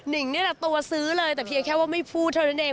ิงนี่แหละตัวซื้อเลยแต่เพียงแค่ว่าไม่พูดเท่านั้นเอง